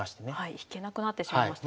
引けなくなってしまいましたね。